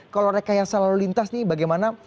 kalau rekayasa lalu lintas nih bagaimana